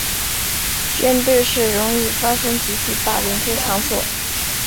军队是容易发生集体霸凌之场所。